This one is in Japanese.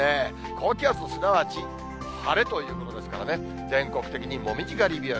高気圧、すなわち晴れということですからね、全国的に紅葉狩り日和。